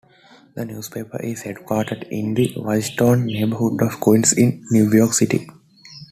The newspaper is headquartered in the Whitestone neighborhood of Queens in New York City.